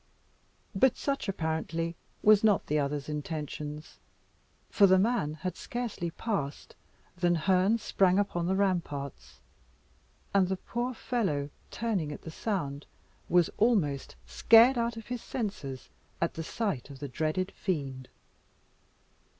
But such apparently was not the other's intentions; for the man had scarcely passed than Herne sprang upon the ramparts, and the poor fellow turning at the sound, was almost scared out of his senses at the sight of the dreaded fiend.